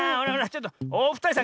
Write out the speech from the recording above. ちょっとおふたりさん